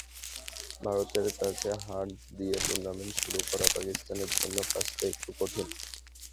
ভারতের কাছে হার দিয়ে টুর্নামেন্ট শুরু করা পাকিস্তানের জন্য কাজটা একটু কঠিন।